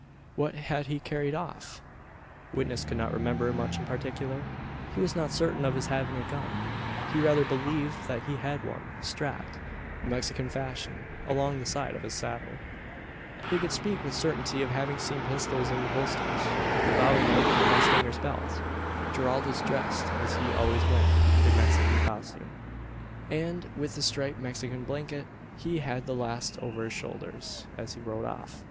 What had he carried off? Witness could not remember much in particular. He was not certain of his having a gun. He rather believed that he had one strapped, Mexican fashion, along the side of his saddle. He could speak with certainty of having seen pistols in the holsters, with a bowie knife in the mustanger's belt. Gerald was dressed as he always went in Mexican costume, and with a striped Mexican blanket. He had the last over his shoulders as he rode off.